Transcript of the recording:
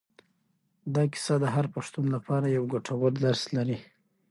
دا کیسه د هر پښتون لپاره یو ګټور درس لري.